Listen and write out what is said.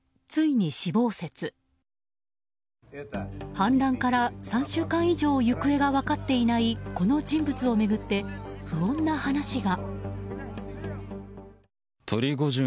反乱から３週間以上行方が分かっていないこの人物を巡って、不穏な話が。